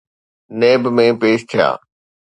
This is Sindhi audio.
نيب ۾ پيش ٿيا.